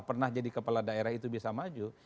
pernah jadi kepala daerah itu bisa maju